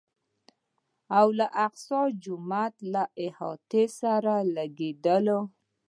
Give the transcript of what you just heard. او الاقصی جومات له احاطې سره لګېدلی و.